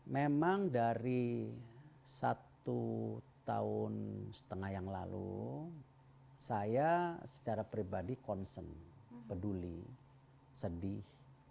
memang dari satu tahun setengah yang lalu saya secara pribadi concern peduli sedih